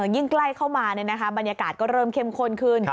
ยิ่งใกล้เข้ามาบรรยากาศก็เริ่มเข้มข้นขึ้น